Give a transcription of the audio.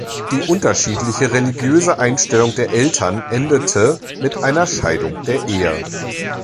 Die unterschiedliche religiöse Einstellung der Eltern endete mit einer Scheidung der Ehe.